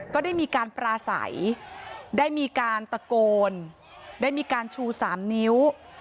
ก็ได้มีการปราศัยได้มีการตะโกนได้มีการชู๓นิ้ว